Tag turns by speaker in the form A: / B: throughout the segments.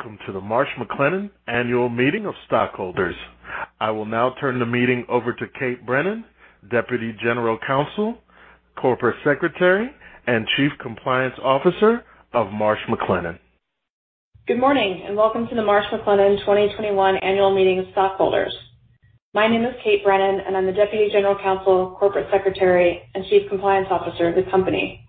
A: Welcome to the Marsh McLennan Annual Meeting of Stockholders. I will now turn the meeting over to Kate Brennan, Deputy General Counsel, Corporate Secretary, and Chief Compliance Officer of Marsh McLennan.
B: Good morning, welcome to the Marsh McLennan 2021 Annual Meeting of Stockholders. My name is Kate Brennan, and I'm the Deputy General Counsel, Corporate Secretary, and Chief Compliance Officer of the company.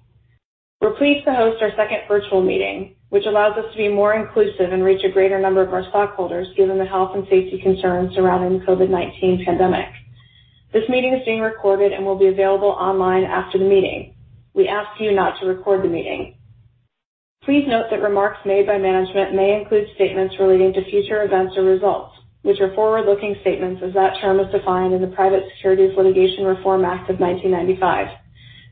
B: We're pleased to host our second virtual meeting, which allows us to be more inclusive and reach a greater number of our stockholders given the health and safety concerns surrounding the COVID-19 pandemic. This meeting is being recorded and will be available online after the meeting. We ask you not to record the meeting. Please note that remarks made by management may include statements relating to future events or results, which are forward-looking statements as that term is defined in the Private Securities Litigation Reform Act of 1995.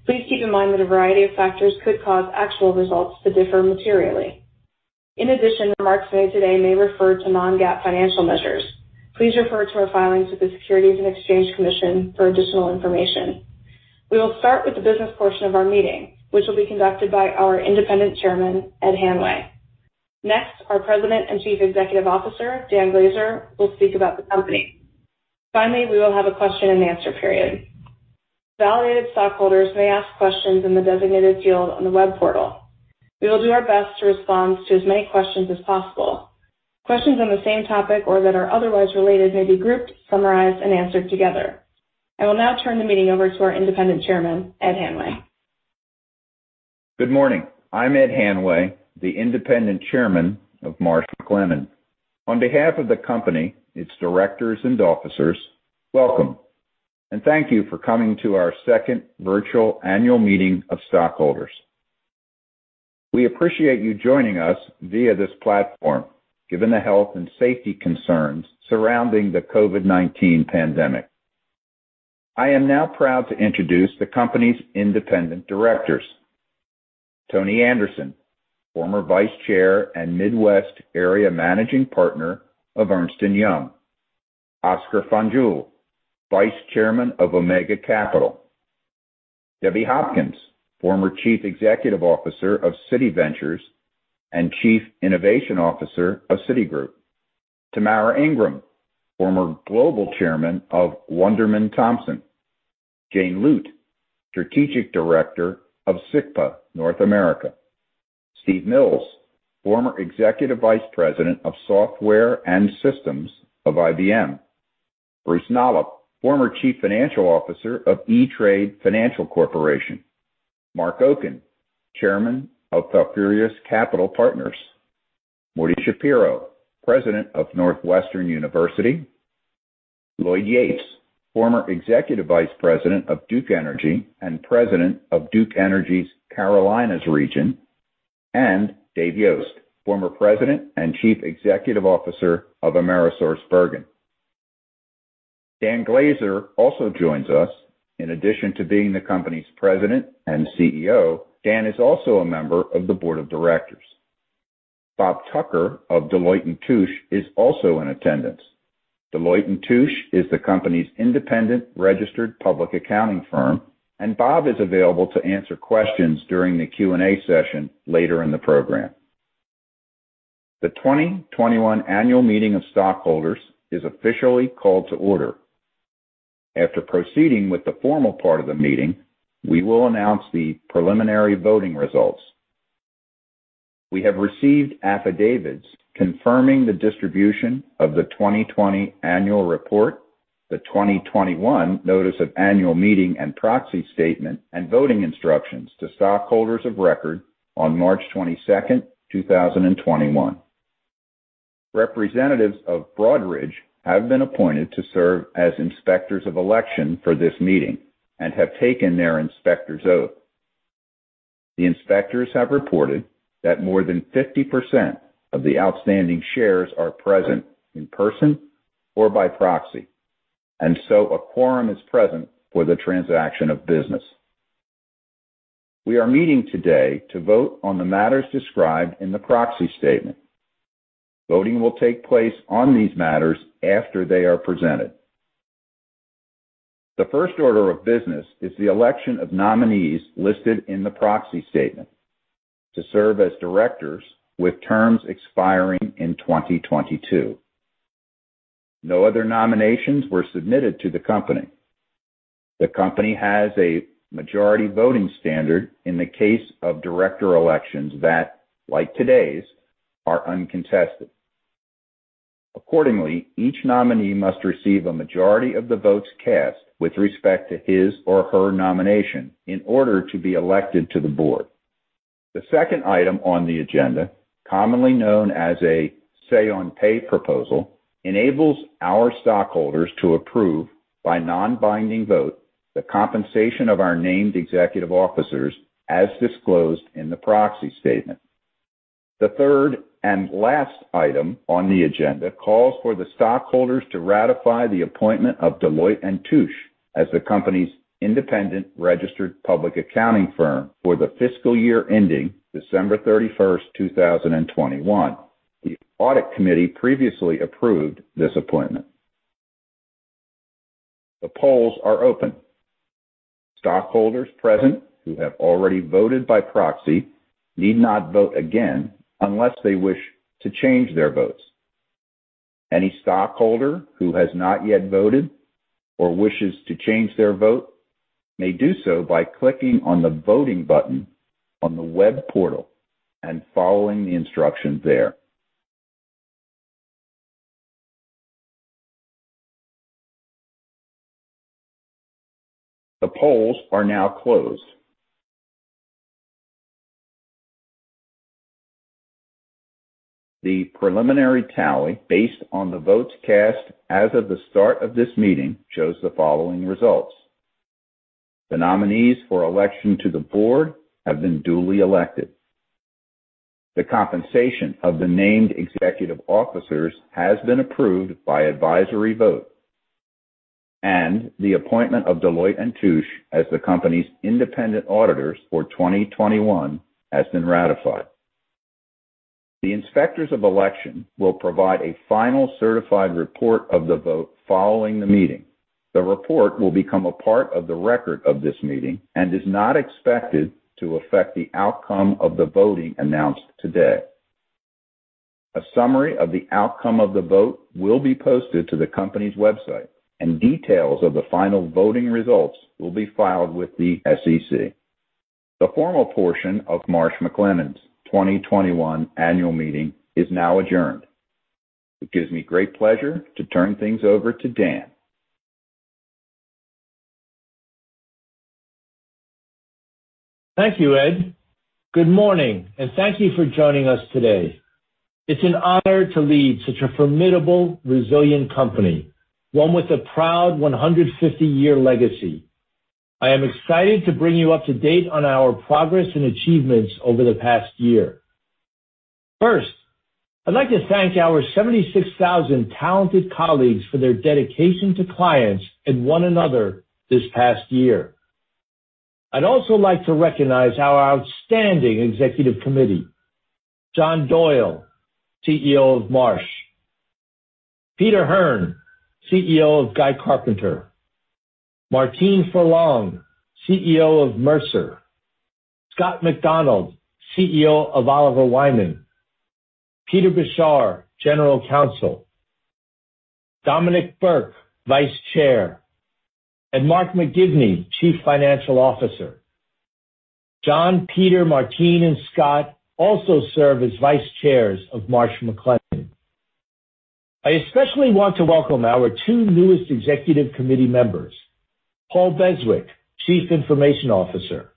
B: Please keep in mind that a variety of factors could cause actual results to differ materially. In addition, remarks made today may refer to non-GAAP financial measures. Please refer to our filings with the Securities and Exchange Commission for additional information. We will start with the business portion of our meeting, which will be conducted by our Independent Chairman, Ed Hanway. Next, our President and Chief Executive Officer, Dan Glaser, will speak about the company. Finally, we will have a question and answer period. Validated stockholders may ask questions in the designated field on the web portal. We will do our best to respond to as many questions as possible. Questions on the same topic or that are otherwise related may be grouped, summarized, and answered together. I will now turn the meeting over to our Independent Chairman, Ed Hanway.
C: Good morning. I'm Ed Hanway, the Independent Chairman of Marsh McLennan. On behalf of the company, its directors and officers, welcome, And thank you for coming to our second virtual annual meeting of stockholders. We appreciate you joining us via this platform, given the health and safety concerns surrounding the COVID-19 pandemic. I am now proud to introduce the company's independent directors. Tony Anderson, former Vice Chair and Midwest Area Managing Partner of Ernst & Young. Oscar Fanjul, Vice Chairman of Omega Capital. Deborah Hopkins, former Chief Executive Officer of Citi Ventures and Chief Innovation Officer of Citigroup. Tamara Ingram, former Global Chairman of Wunderman Thompson. Jane Lute, Strategic Director of SICPA North America. Steve Mills, former Executive Vice President of Software and Systems of IBM. Bruce Nolop, former Chief Financial Officer of E*TRADE Financial Corporation. Marc Oken, Chairman of Falfurrias Capital Partners. Morton Schapiro, President of Northwestern University. Lloyd Yates, former Executive Vice President of Duke Energy and President of Duke Energy's Carolinas Region, and Dave Yost, former President and Chief Executive Officer of AmerisourceBergen. Dan Glaser also joins us. In addition to being the company's President and CEO, Dan is also a member of the Board of Directors. Bob Tucker of Deloitte & Touche is also in attendance. Deloitte & Touche is the company's independent registered public accounting firm, and Bob is available to answer questions during the Q&A session later in the program. The 2021 Annual Meeting of Stockholders is officially called to order. After proceeding with the formal part of the meeting, we will announce the preliminary voting results. We have received affidavits confirming the distribution of the 2020 Annual Report, the 2021 Notice of Annual Meeting and Proxy Statement, and voting instructions to stockholders of record on March 22nd, 2021. Representatives of Broadridge have been appointed to serve as inspectors of election for this meeting and have taken their inspector's oath. The inspectors have reported that more than 50% of the outstanding shares are present in person or by proxy, and so a quorum is present for the transaction of business. We are meeting today to vote on the matters described in the proxy statement. Voting will take place on these matters after they are presented. The first order of business is the election of nominees listed in the proxy statement to serve as directors with terms expiring in 2022. No other nominations were submitted to the company. The company has a majority voting standard in the case of director elections that, like today's, are uncontested. Accordingly, each nominee must receive a majority of the votes cast with respect to his or her nomination in order to be elected to the board. The second item on the agenda, commonly known as a say-on-pay proposal, enables our stockholders to approve, by non-binding vote, the compensation of our named executive officers as disclosed in the proxy statement. The third and last item on the agenda calls for the stockholders to ratify the appointment of Deloitte & Touche as the company's independent registered public accounting firm for the fiscal year ending December 31st, 2021. The Audit Committee previously approved this appointment. The polls are open. Stockholders present who have already voted by proxy need not vote again unless they wish to change their votes. Any stockholder who has not yet voted or wishes to change their vote may do so by clicking on the Voting button on the web portal and following the instructions there. The polls are now closed. The preliminary tally based on the votes cast as of the start of this meeting shows the following results. The nominees for election to the board have been duly elected. The compensation of the named executive officers has been approved by advisory vote, and the appointment of Deloitte & Touche as the company's independent auditors for 2021 has been ratified. The inspectors of election will provide a final certified report of the vote following the meeting. The report will become a part of the record of this meeting and is not expected to affect the outcome of the voting announced today. A summary of the outcome of the vote will be posted to the company's website, and details of the final voting results will be filed with the SEC. The formal portion of Marsh McLennan's 2021 annual meeting is now adjourned. It gives me great pleasure to turn things over to Dan.
D: Thank you, Ed. Good morning, thank you for joining us today. It's an honor to lead such a formidable, resilient company, one with a proud 150-year legacy. I am excited to bring you up to date on our progress and achievements over the past year. First, I'd like to thank our 76,000 talented colleagues for their dedication to clients and one another this past year. I'd also like to recognize our outstanding executive committee. John Doyle, CEO of Marsh. Peter Hearn, CEO of Guy Carpenter. Martine Ferland, CEO of Mercer. Scott McDonald, CEO of Oliver Wyman. Peter Beshar, General Counsel. Dominic Burke, Vice Chair, and Mark McGivney, Chief Financial Officer. John, Peter, Martine, and Scott also serve as vice chairs of Marsh McLennan. I especially want to welcome our two newest executive committee members, Paul Beswick, Chief Information Officer,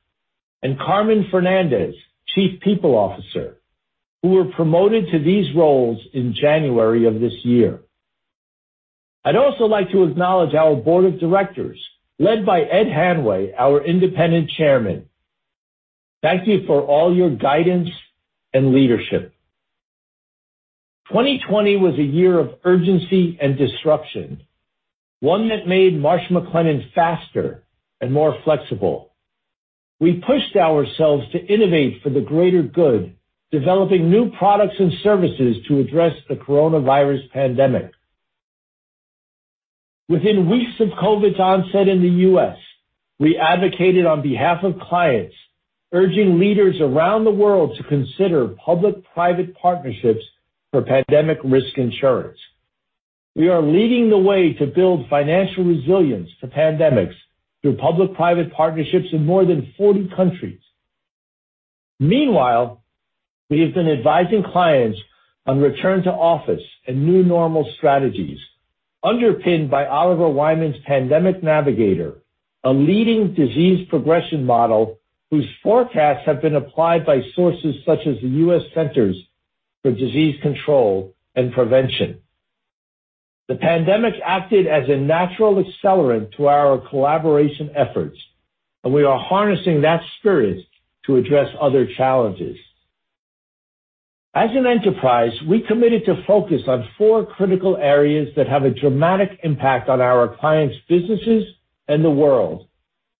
D: and Carmen Fernandez, Chief People Officer, who were promoted to these roles in January of this year. I'd also like to acknowledge our Board of Directors, led by Ed Hanway, our Independent Chairman. Thank you for all your guidance and leadership. 2020 was a year of urgency and disruption, one that made Marsh McLennan faster and more flexible. We pushed ourselves to innovate for the greater good, developing new products and services to address the coronavirus pandemic. Within weeks of COVID's onset in the U.S., we advocated on behalf of clients, urging leaders around the world to consider public-private partnerships for pandemic risk insurance. We are leading the way to build financial resilience for pandemics through public-private partnerships in more than 40 countries. Meanwhile, we have been advising clients on return to office and new normal strategies underpinned by Oliver Wyman's Pandemic Navigator, a leading disease progression model whose forecasts have been applied by sources such as the U.S. Centers for Disease Control and Prevention. The pandemic acted as a natural accelerant to our collaboration efforts. We are harnessing that spirit to address other challenges. As an enterprise, we committed to focus on four critical areas that have a dramatic impact on our clients' businesses and the world,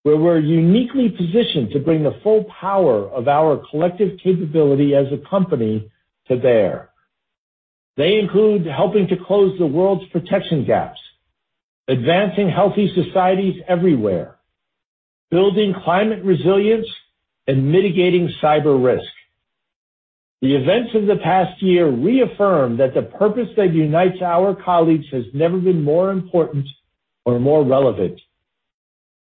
D: where we're uniquely positioned to bring the full power of our collective capability as a company to bear. They include helping to close the world's protection gaps, advancing healthy societies everywhere, building climate resilience, and mitigating cyber risk. The events of the past year reaffirm that the purpose that unites our colleagues has never been more important or more relevant.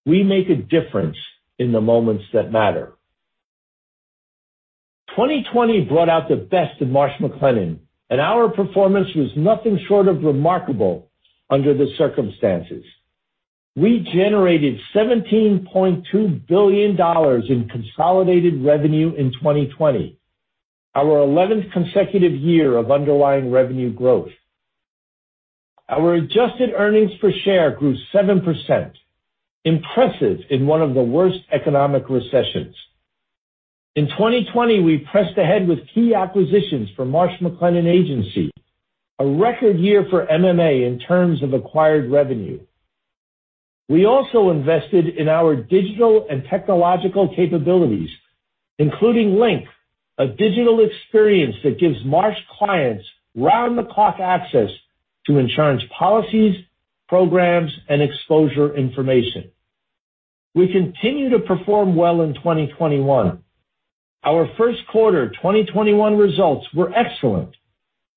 D: We make a difference in the moments that matter. 2020 brought out the best of Marsh McLennan, and our performance was nothing short of remarkable under the circumstances. We generated $17.2 billion in consolidated revenue in 2020, our 11th consecutive year of underlying revenue growth. Our adjusted earnings per share grew 7%, impressive in one of the worst economic recessions. In 2020, we pressed ahead with key acquisitions for Marsh McLennan Agency, a record year for MMA in terms of acquired revenue. We also invested in our digital and technological capabilities, including LINQ, a digital experience that gives Marsh clients round-the-clock access to insurance policies, programs, and exposure information. We continued to perform well in 2021. Our first quarter 2021 results were excellent.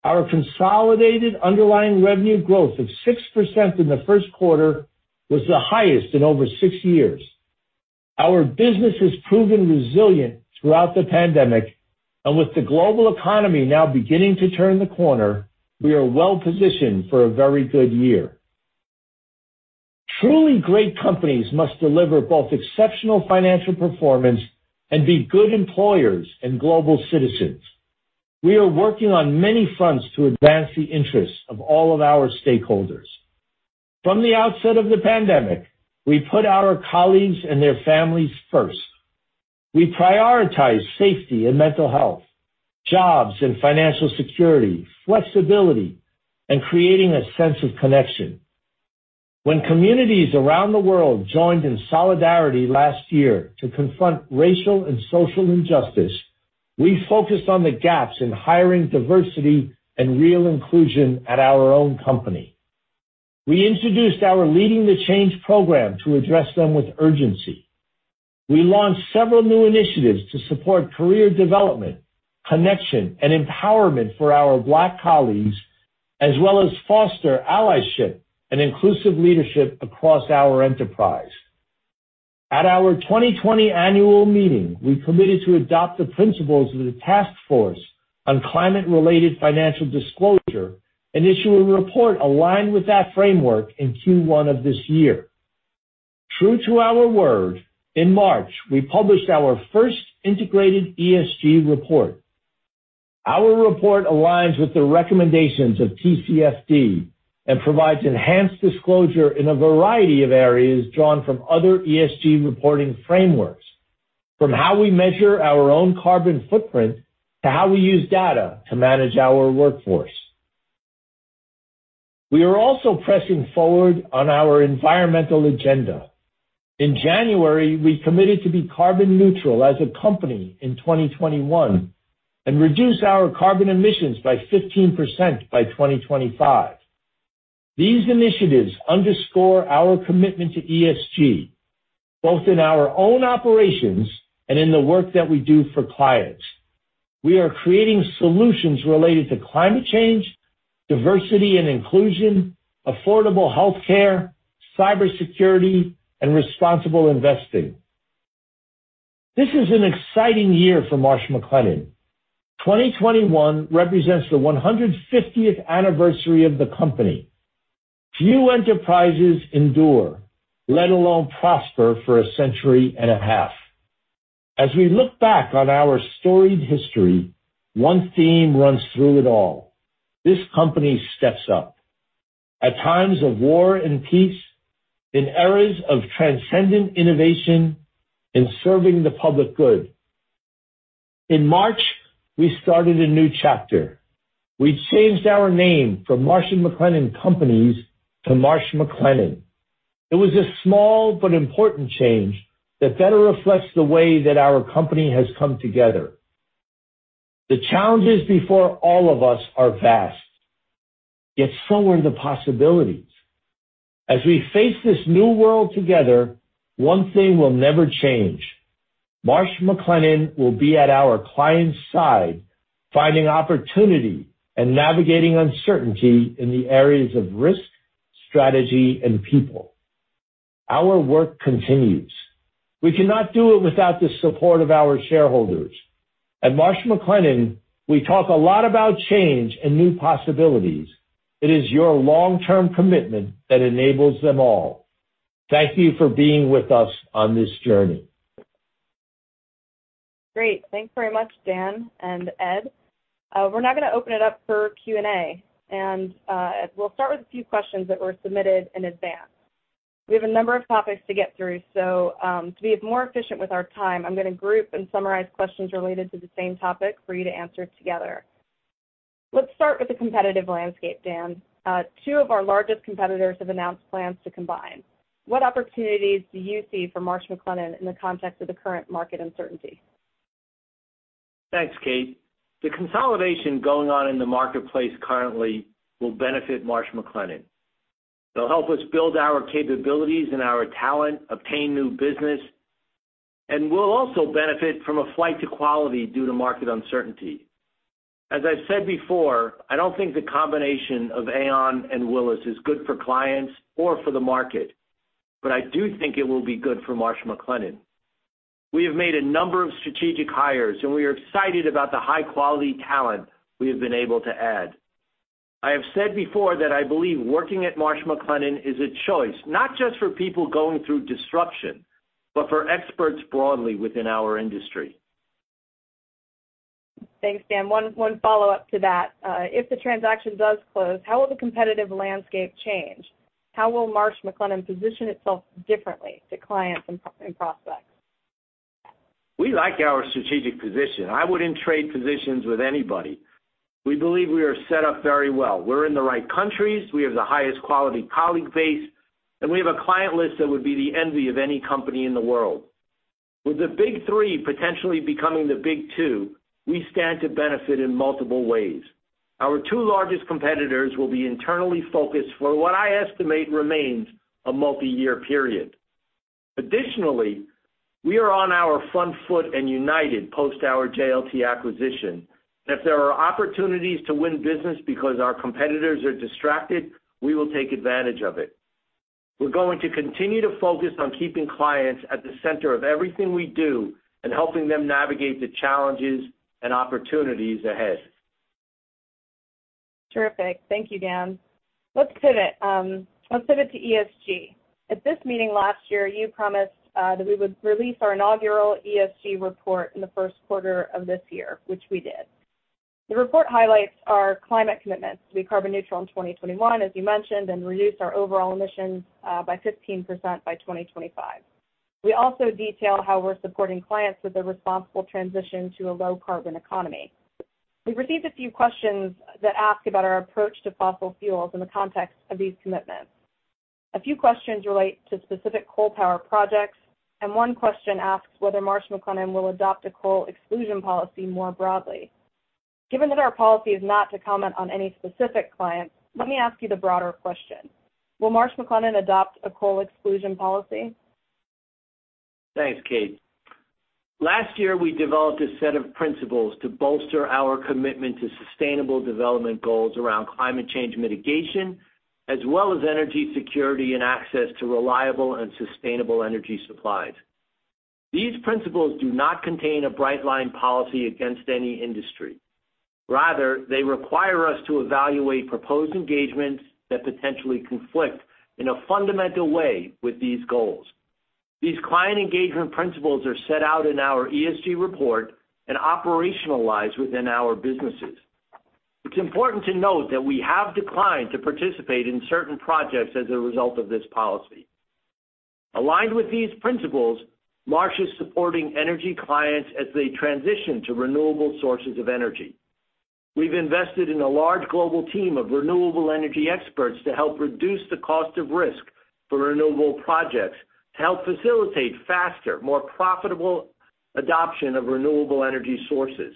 D: Our consolidated underlying revenue growth of 6% in the first quarter was the highest in over six years. Our business has proven resilient throughout the pandemic, and with the global economy now beginning to turn the corner, we are well-positioned for a very good year. Truly great companies must deliver both exceptional financial performance and be good employers and global citizens. We are working on many fronts to advance the interests of all of our stakeholders. From the outset of the pandemic, we put our colleagues and their families first. We prioritized safety and mental health, jobs and financial security, flexibility, and creating a sense of connection. When communities around the world joined in solidarity last year to confront racial and social injustice, we focused on the gaps in hiring diversity and real inclusion at our own company. We introduced our Leading the Change program to address them with urgency. We launched several new initiatives to support career development, connection, and empowerment for our Black colleagues, as well as foster allyship and inclusive leadership across our enterprise. At our 2020 annual meeting, we committed to adopt the principles of the Task Force on Climate-related Financial Disclosures and issue a report aligned with that framework in Q1 of this year. True to our word, in March, we published our first integrated ESG report. Our report aligns with the recommendations of TCFD and provides enhanced disclosure in a variety of areas drawn from other ESG reporting frameworks, from how we measure our own carbon footprint to how we use data to manage our workforce. We are also pressing forward on our environmental agenda. In January, we committed to be carbon neutral as a company in 2021 and reduce our carbon emissions by 15% by 2025. These initiatives underscore our commitment to ESG, both in our own operations and in the work that we do for clients. We are creating solutions related to climate change, diversity and inclusion, affordable healthcare, cybersecurity, and responsible investing. This is an exciting year for Marsh McLennan. 2021 represents the 150th anniversary of the company. Few enterprises endure, let alone prosper for a century and a half. As we look back on our storied history, one theme runs through it all: this company steps up. At times of war and peace, in eras of transcendent innovation, in serving the public good. In March, we started a new chapter. We changed our name from Marsh & McLennan Companies to Marsh McLennan. It was a small but important change that better reflects the way that our company has come together. The challenges before all of us are vast, yet so are the possibilities. As we face this new world together, one thing will never change. Marsh McLennan will be at our clients' side, finding opportunity and navigating uncertainty in the areas of risk, strategy, and people. Our work continues. We cannot do it without the support of our shareholders. At Marsh McLennan, we talk a lot about change and new possibilities. It is your long-term commitment that enables them all. Thank you for being with us on this journey.
B: Great. Thanks very much, Dan and Ed. We're now going to open it up for Q&A, and we'll start with a few questions that were submitted in advance. We have a number of topics to get through, so to be more efficient with our time, I'm going to group and summarize questions related to the same topic for you to answer together. Let's start with the competitive landscape, Dan. Two of our largest competitors have announced plans to combine. What opportunities do you see for Marsh McLennan in the context of the current market uncertainty?
D: Thanks, Kate. The consolidation going on in the marketplace currently will benefit Marsh McLennan. It'll help us build our capabilities and our talent, obtain new business, and we'll also benefit from a flight to quality due to market uncertainty. As I've said before, I don't think the combination of Aon and Willis is good for clients or for the market, but I do think it will be good for Marsh McLennan. We have made a number of strategic hires, and we are excited about the high-quality talent we have been able to add. I have said before that I believe working at Marsh McLennan is a choice, not just for people going through disruption, but for experts broadly within our industry.
B: Thanks, Dan. One follow-up to that. If the transaction does close, how will the competitive landscape change? How will Marsh McLennan position itself differently to clients and prospects?
D: We like our strategic position. I wouldn't trade positions with anybody. We believe we are set up very well. We're in the right countries, we have the highest quality colleague base, and we have a client list that would be the envy of any company in the world. With the Big Three potentially becoming the Big Two, we stand to benefit in multiple ways. Our two largest competitors will be internally focused for what I estimate remains a multi-year period. Additionally, we are on our front foot and united post our JLT acquisition. If there are opportunities to win business because our competitors are distracted, we will take advantage of it. We're going to continue to focus on keeping clients at the center of everything we do and helping them navigate the challenges and opportunities ahead.
B: Terrific. Thank you, Dan. Let's pivot. Let's pivot to ESG. At this meeting last year, you promised that we would release our inaugural ESG report in the first quarter of this year, which we did. The report highlights our climate commitments to be carbon neutral in 2021, as you mentioned, and reduce our overall emissions by 15% by 2025. We also detail how we're supporting clients with a responsible transition to a low carbon economy. We've received a few questions that ask about our approach to fossil fuels in the context of these commitments. A few questions relate to specific coal power projects, and one question asks whether Marsh McLennan will adopt a coal exclusion policy more broadly. Given that our policy is not to comment on any specific client, let me ask you the broader question. Will Marsh McLennan adopt a coal exclusion policy?
D: Thanks, Kate. Last year, we developed a set of principles to bolster our commitment to sustainable development goals around climate change mitigation, as well as energy security and access to reliable and sustainable energy supplies. These principles do not contain a bright line policy against any industry. Rather, they require us to evaluate proposed engagements that potentially conflict in a fundamental way with these goals. These client engagement principles are set out in our ESG report and operationalized within our businesses. It's important to note that we have declined to participate in certain projects as a result of this policy. Aligned with these principles, Marsh is supporting energy clients as they transition to renewable sources of energy. We've invested in a large global team of renewable energy experts to help reduce the cost of risk for renewable projects to help facilitate faster, more profitable adoption of renewable energy sources.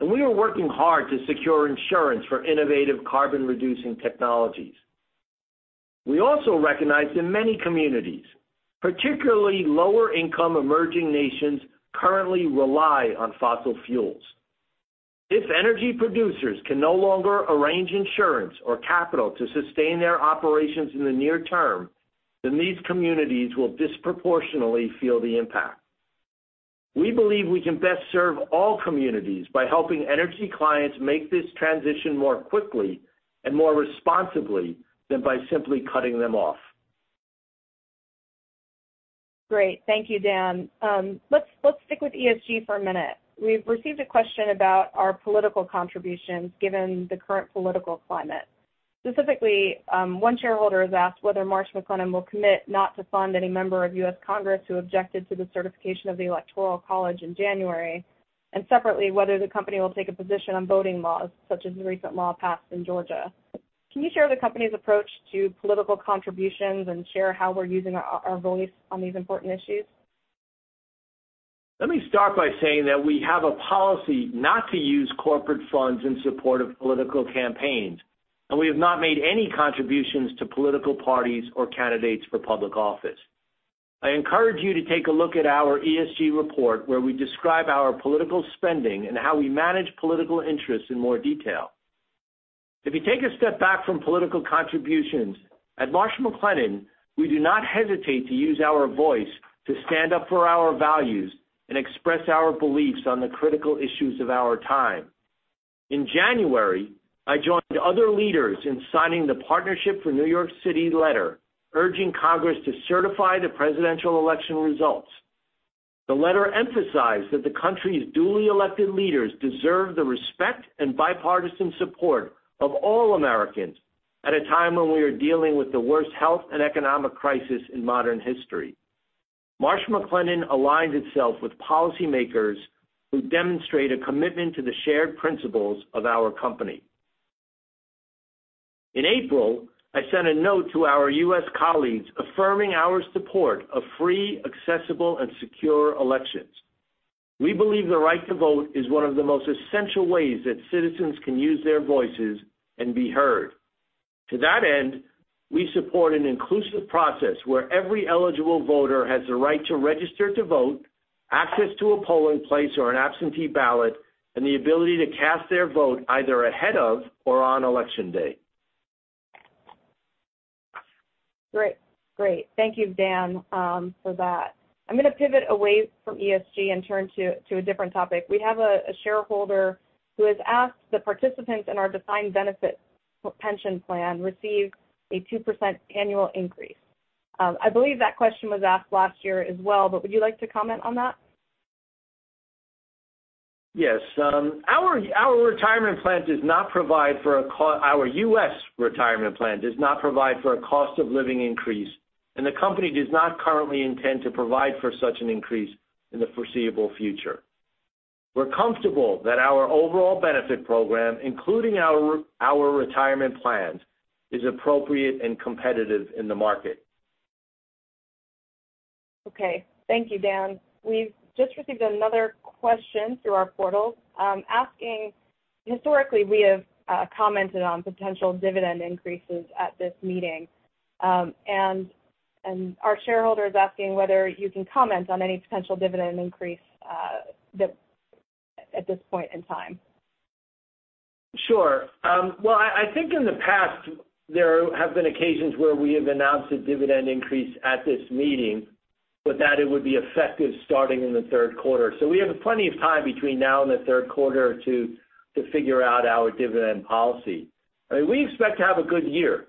D: We are working hard to secure insurance for innovative carbon reducing technologies. We also recognize that many communities, particularly lower income emerging nations, currently rely on fossil fuels. If energy producers can no longer arrange insurance or capital to sustain their operations in the near term, then these communities will disproportionately feel the impact. We believe we can best serve all communities by helping energy clients make this transition more quickly and more responsibly than by simply cutting them off.
B: Great. Thank you, Dan. Let's stick with ESG for a minute. We've received a question about our political contributions given the current political climate. Specifically, one shareholder has asked whether Marsh McLennan will commit not to fund any member of U.S. Congress who objected to the certification of the Electoral College in January, and separately, whether the company will take a position on voting laws, such as the recent law passed in Georgia. Can you share the company's approach to political contributions and share how we're using our voice on these important issues?
D: Let me start by saying that we have a policy not to use corporate funds in support of political campaigns, and we have not made any contributions to political parties or candidates for public office. I encourage you to take a look at our ESG report, where we describe our political spending and how we manage political interests in more detail. If you take a step back from political contributions, at Marsh McLennan, we do not hesitate to use our voice to stand up for our values and express our beliefs on the critical issues of our time. In January, I joined other leaders in signing the Partnership for New York City letter, urging Congress to certify the presidential election results. The letter emphasized that the country's duly elected leaders deserve the respect and bipartisan support of all Americans at a time when we are dealing with the worst health and economic crisis in modern history. Marsh McLennan aligns itself with policymakers who demonstrate a commitment to the shared principles of our company. In April, I sent a note to our U.S. colleagues affirming our support of free, accessible, and secure elections. We believe the right to vote is one of the most essential ways that citizens can use their voices and be heard. To that end, we support an inclusive process where every eligible voter has the right to register to vote, access to a polling place or an absentee ballot, and the ability to cast their vote either ahead of or on Election Day.
B: Great. Thank you, Dan, for that. I'm going to pivot away from ESG and turn to a different topic. We have a shareholder who has asked that participants in our defined benefit pension plan receive a 2% annual increase. I believe that question was asked last year as well. Would you like to comment on that?
D: Yes. Our U.S. retirement plan does not provide for a cost of living increase. The company does not currently intend to provide for such an increase in the foreseeable future. We're comfortable that our overall benefit program, including our retirement plans, is appropriate and competitive in the market.
B: Okay. Thank you, Dan. We've just received another question through our portal asking, historically, we have commented on potential dividend increases at this meeting, and our shareholder's asking whether you can comment on any potential dividend increase at this point in time.
D: Sure. Well, I think in the past, there have been occasions where we have announced a dividend increase at this meeting, but that it would be effective starting in the third quarter. We have plenty of time between now and the third quarter to figure out our dividend policy. We expect to have a good year,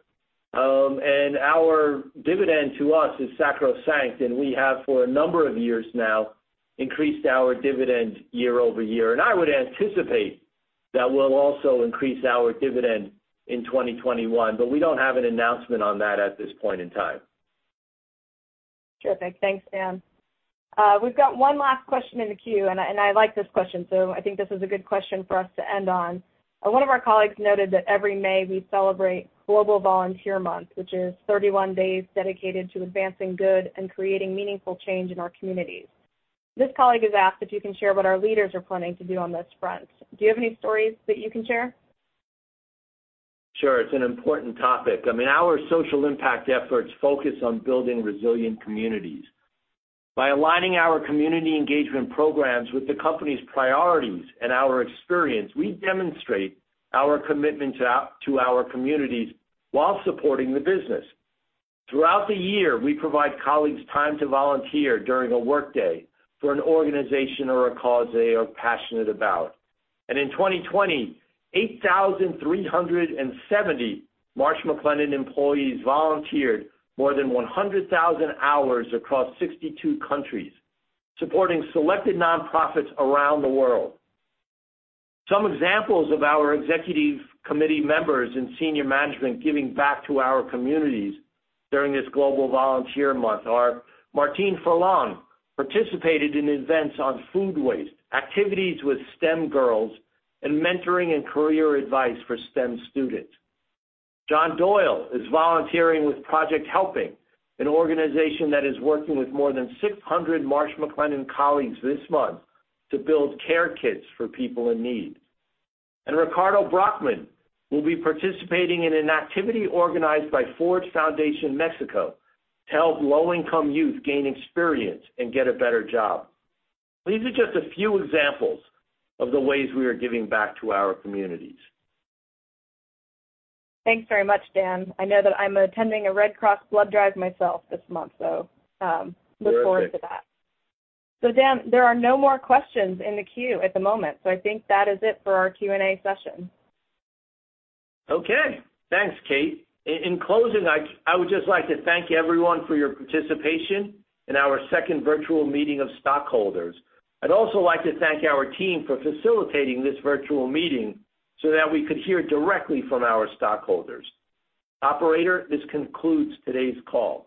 D: and our dividend to us is sacrosanct, and we have for a number of years now increased our dividend year-over-year. I would anticipate that we'll also increase our dividend in 2021. We don't have an announcement on that at this point in time.
B: Terrific. Thanks, Dan. We've got one last question in the queue. I like this question, I think this is a good question for us to end on. One of our colleagues noted that every May we celebrate Global Volunteer Month, which is 31 days dedicated to advancing good and creating meaningful change in our communities. This colleague has asked if you can share what our leaders are planning to do on this front. Do you have any stories that you can share?
D: Sure. It's an important topic. Our social impact efforts focus on building resilient communities. By aligning our community engagement programs with the company's priorities and our experience, we demonstrate our commitment to our communities while supporting the business. Throughout the year, we provide colleagues time to volunteer during a workday for an organization or a cause they are passionate about. In 2020, 8,370 Marsh McLennan employees volunteered more than 100,000 hours across 62 countries, supporting selected nonprofits around the world. Some examples of our executive committee members and senior management giving back to our communities during this Global Volunteer Month are Martine Ferland participated in events on food waste, activities with STEM girls, and mentoring and career advice for STEM students. John Doyle is volunteering with Project Helping, an organization that is working with more than 600 Marsh McLennan colleagues this month to build care kits for people in need. Ricardo Brockmann will be participating in an activity organized by Fundación Forge México to help low-income youth gain experience and get a better job. These are just a few examples of the ways we are giving back to our communities.
B: Thanks very much, Dan. I know that I'm attending a Red Cross blood drive myself this month, so look forward to that. Dan, there are no more questions in the queue at the moment, so I think that is it for our Q&A session.
D: Okay, thanks, Kate. In closing, I would just like to thank everyone for your participation in our second virtual meeting of stockholders. I'd also like to thank our team for facilitating this virtual meeting so that we could hear directly from our stockholders. Operator, this concludes today's call.